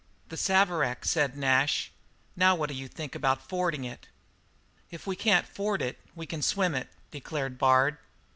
"The Saverack," said Nash. "Now what d'you think about fording it?" "If we can't ford it, we can swim it," declared Bard.